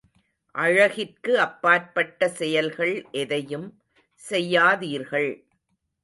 அழகிற்கு அப்பாற்பட்ட செயல்கள் எதையும் செய்யாதீர்கள்.